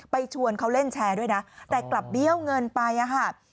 ชวนเขาเล่นแชร์ด้วยนะแต่กลับเบี้ยวเงินไปอะค่ะ